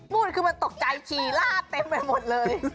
คือมันตกใจฉี่ลาดเต็มไปหมดเลย